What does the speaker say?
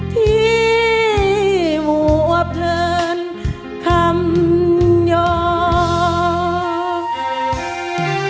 ที่หัวเพลินคำย้อน